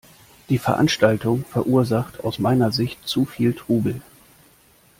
Die Veranstaltung verursacht aus meiner Sicht zu viel Trubel.